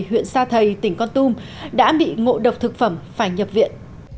huyện sa thầy tỉnh con tum đã bị ngộ độc thực phẩm phải nhập viện